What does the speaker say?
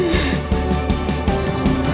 jangan lupa untuk mencoba